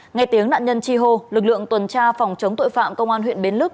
ngay tiếng nạn nhân chi hô lực lượng tuần tra phòng chống tội phạm công an huyện bến lức